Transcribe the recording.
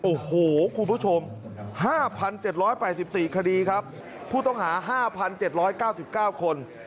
โอ้โหคุณผู้ชม๕๗๘๔คดีครับผู้ต้องหา๕๗๙๙คน